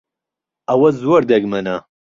ئەوە زۆر دەگمەنە.